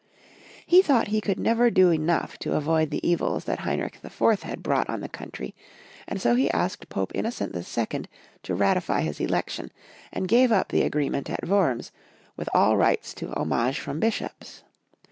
He thought he could never do enough to avoid the evils that Heinrich IV. had brought on the country, and so he asked Pope Innocent II. to ratify his election, and gave up the agreement at Wurms, with all rights to homage from bishops.